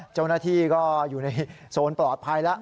เจ้าหน้าที่ก็อยู่ในโซนปลอดภัยแล้ว